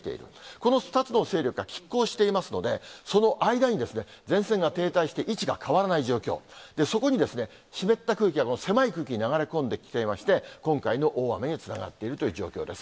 この２つの勢力が拮抗していますので、その間に前線が停滞して位置が変わらない状況、そこに湿った空気が、狭い空気に流れ込んできていまして、今回の大雨につながっているという状況です。